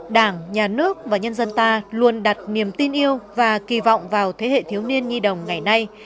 đảng nhà nước và nhân dân ta luôn đặt niềm tin yêu và kỳ vọng vào thế hệ thiếu niên nhi đồng ngày nay